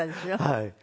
はい。